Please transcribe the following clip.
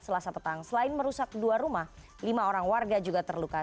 selasa petang selain merusak dua rumah lima orang warga juga terluka